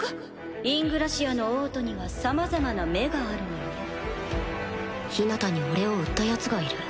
イングラシアの王都にはさまざまな目があヒナタに俺を売ったヤツがいる